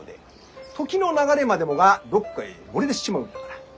時の流れまでもがどっかへ漏れ出しちまうんだから。